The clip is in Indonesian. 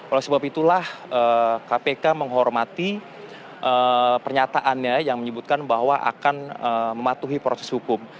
oleh sebab itulah kpk menghormati pernyataannya yang menyebutkan bahwa akan mematuhi proses hukum